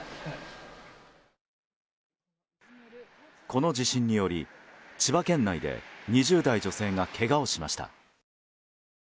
この地震により千葉県内で２０代女性がけがをしました。